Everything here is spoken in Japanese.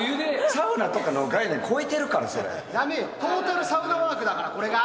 サウナとかの概念超えてるかだめよ、トータルサウナワークだから、これが。